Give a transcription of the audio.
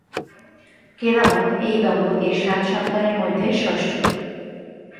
কেরামত এই দম্পতির সাত সন্তানের মধ্যে ষষ্ঠ।